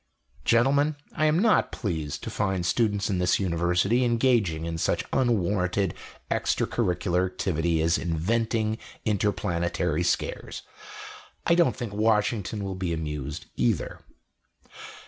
"Gentlemen, I am not pleased to find students of this University engaging in such unwanted extra curricular activity as inventing interplanetary scares. I don't think Washington will be amused, either."